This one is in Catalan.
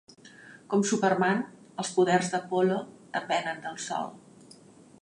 Com Superman, els poders d'Apollo depenen del sol.